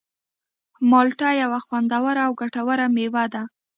مالټه یوه خوندوره او ګټوره مېوه ده.